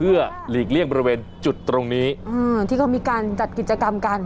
อืมที่เขามีการจัดกิจกรรมกัน